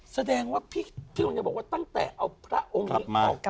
แสดงว่าพี่คุณจะบอกว่าตั้งแต่เอาพระองค์กลับมา